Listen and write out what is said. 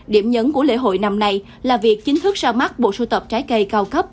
điểm nhấn của lễ hội năm nay là việc chính thức ra mắt bộ sưu tập trái cây cao cấp